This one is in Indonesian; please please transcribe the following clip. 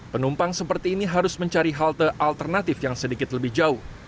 penumpang seperti ini harus mencari halte alternatif yang sedikit lebih jauh